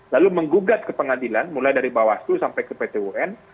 lalu menggugat ke pengadilan mulai dari bawaslu sampai ke pt un